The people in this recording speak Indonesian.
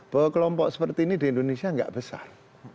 bahwa kelompok seperti ini di indonesia tidak besar